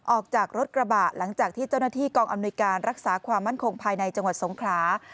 ออกจากรถกระบะหลังจากที่เจ้าหน้าที่กองอำนวยการรักษาความมั่นคงภายในจังหวัดสงขลา